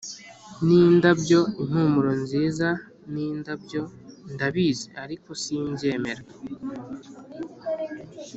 ni indabyo. impumuro nziza ni indabyo. ndabizi. ariko simbyemera.